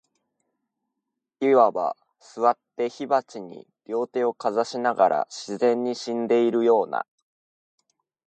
謂わば、坐って火鉢に両手をかざしながら、自然に死んでいるような、